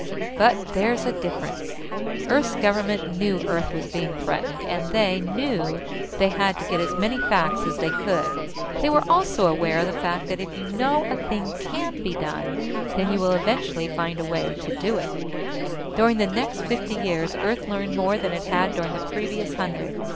But there's a difference. Earth's government knew Earth was being threatened, and they knew they had to get as many facts as they could. They were also aware of the fact that if you know a thing can be done, then you will eventually find a way to do it. During the next fifty years, Earth learned more than it had during the previous hundred.